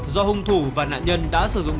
do hung thủ và nạn nhân đã sử dụng